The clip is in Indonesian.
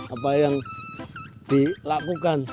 apa yang dilakukan